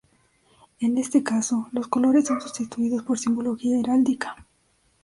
En este caso, los colores son sustituidos por simbología heráldica.